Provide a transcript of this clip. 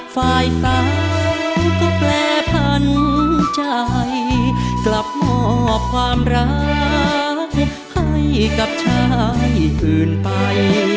ฝ่ายสาวก็แปรพันใจกลับมอบความรักให้กับชายคืนไป